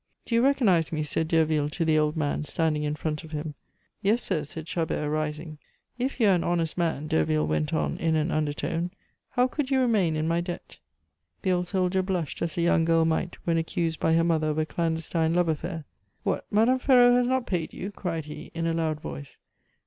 "Do you recognize me?" said Derville to the old man, standing in front of him. "Yes, sir," said Chabert, rising. "If you are an honest man," Derville went on in an undertone, "how could you remain in my debt?" The old soldier blushed as a young girl might when accused by her mother of a clandestine love affair. "What! Madame Ferraud has not paid you?" cried he in a loud voice.